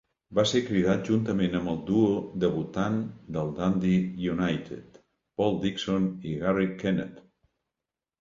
Va ser cridat juntament amb el duo debutant del Dundee United, Paul Dixon i Garry Kenneth.